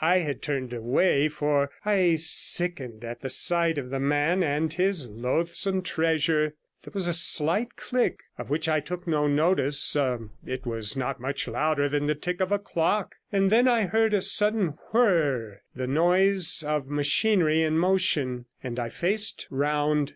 I had turned away, for I sickened at the sight of the man and his loathsome treasure. There was a slight click, of which I took no notice; it was not much louder than the tick of a clock; and then I heard a sudden whirr, the noise of machinery in motion, and I faced round.